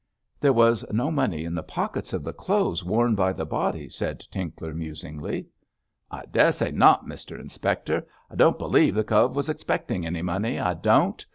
'There was no money in the pockets of the clothes worn by the body,' said Tinkler, musingly. 'I dessay not, Mr Inspector. I don't b'lieve the cove was expecting any money, I don't.